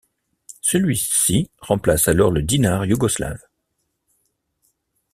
Celui-c remplace alors le dinar yougoslave.